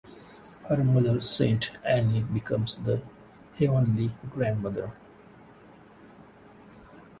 Her mother Saint Anne becomes the heavenly grandmother.